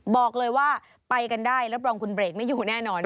บอกเลยว่าไปกันได้รับรองคุณเบรกไม่อยู่แน่นอน